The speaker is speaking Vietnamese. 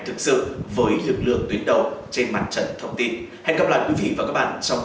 thực sự với lực lượng tuyến đầu trên mặt trận thông tin hẹn gặp lại quý vị và các bạn trong